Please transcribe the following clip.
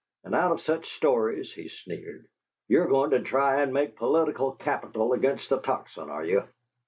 "And out of such stories," he sneered, "you are going to try to make political capital against the Tocsin, are you?"